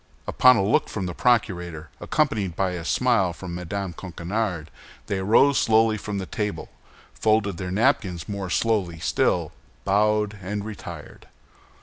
Upon a look from the procurator, accompanied by a smile from Mme. Coquenard, they arose slowly from the table, folded their napkins more slowly still, bowed, and retired.